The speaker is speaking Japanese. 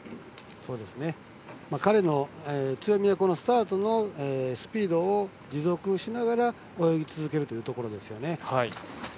彼の強みはスタートのスピードを持続しながら泳ぎ続けるところですよね。